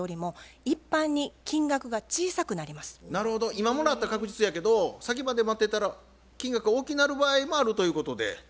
今もらったら確実やけど先まで待ってたら金額が大きなる場合もあるということで。